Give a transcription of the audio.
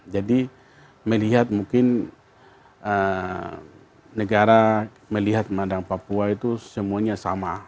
jadi melihat mungkin negara melihat pandang papua itu semuanya sama